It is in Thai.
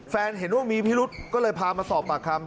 เห็นว่ามีพิรุษก็เลยพามาสอบปากคำ